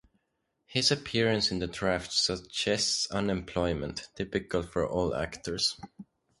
His appearance in the draft suggests unemployment (typical for all actors).